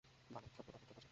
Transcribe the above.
বামে, ছোট্ট পাথরটার পাশে।